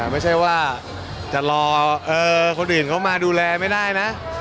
ไม่ใช่ว่าจะรอคนอื่นเขามาดูแลไม่ได้นะ